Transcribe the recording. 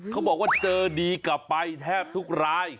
เขาบอกว่าเจอดีกลับไปแทบทุกราย